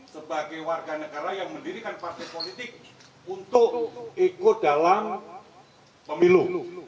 sebagai warga negara yang mendirikan partai politik untuk ikut dalam pemilu